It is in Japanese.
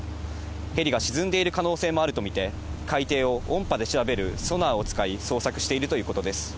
ヘリが沈んでいる可能性もあると見て、海底を音波で調べるソナーを使い、捜索しているということです。